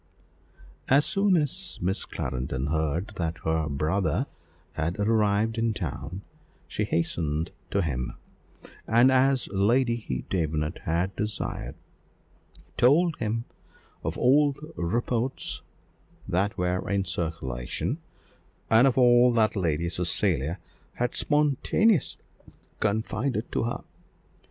As soon as Miss Clarendon heard that her brother had arrived in town she hastened to him, and, as Lady Davenant had desired, told him of all the reports that were in circulation, and of all that Lady Cecilia had spontaneously confided to her.